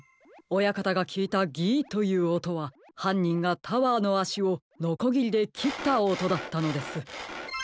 親方がきいた「ぎい」というおとははんにんがタワーのあしをのこぎりできったおとだったのです。